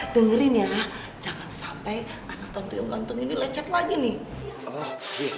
dengerin ya jangan sampai anak tentu yang gantung ini lecet lagi nih